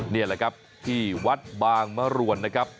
นี่แหละครับที่วัดบางมรวนนะครับ